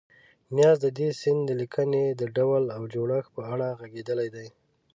نیازی د دې سیند د لیکنې د ډول او جوړښت په اړه غږېدلی دی.